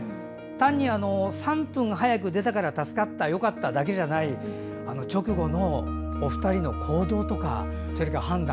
単に、３分早く出たから助かったよかっただけじゃない直後のお二人の行動とか判断